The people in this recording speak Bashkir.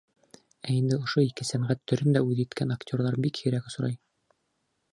Ә инде ошо ике сәнғәт төрөн дә үҙ иткән актерҙар бик һирәк осрай.